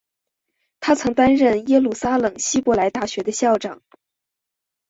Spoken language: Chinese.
他曾担任耶路撒冷希伯来大学的校长。